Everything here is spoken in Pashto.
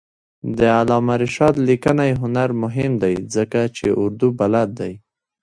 د علامه رشاد لیکنی هنر مهم دی ځکه چې اردو بلد دی.